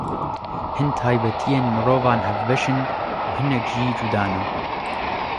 Hin taybetiyên mirovan hevbeş in û hinek jî cuda ne.